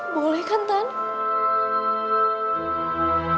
boleh kan tante